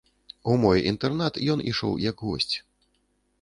У мой інтэрнат ён ішоў як госць.